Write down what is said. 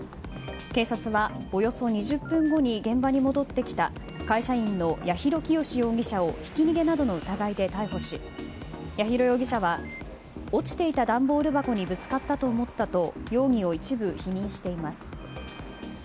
警察は、およそ２０分後に現場に戻ってきた会社員の八尋清容疑者をひき逃げなどの疑いで逮捕し八尋容疑者は落ちていた段ボール箱にぶつかったと思ったと容疑を一部否認しています。